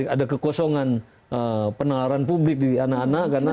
ada kekosongan penelaran publik di anak anak karena